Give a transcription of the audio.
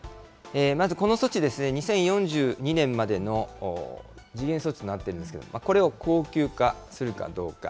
まずこの措置ですね、２０４２年までの時限措置となっているんですけれども、これを恒久化するかどうか。